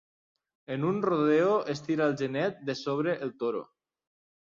En un rodeo, es tira el genet de sobre el toro.